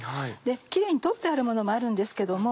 キレイに取ってあるものもあるんですけども。